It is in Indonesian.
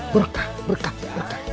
berkah berkah berkah